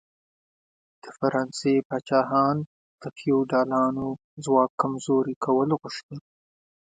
د فرانسې پاچاهان د فیوډالانو ځواک کمزوري کول غوښتل.